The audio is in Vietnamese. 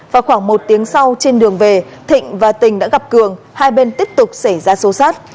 vào khoảng một tiếng sau trên đường về thịnh và tình đã gặp cường hai bên tiếp tục xảy ra xô xát